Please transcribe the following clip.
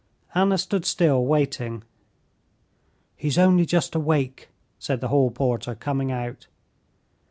Anna stood still waiting. "He's only just awake," said the hall porter, coming out.